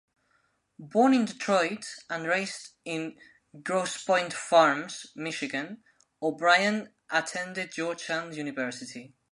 Born in Detroit and raised in Grosse Pointe Farms, Michigan, O'Brien attended Georgetown University.